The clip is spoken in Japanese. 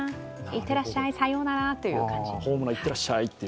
いってらっしゃい、さようならという感じ。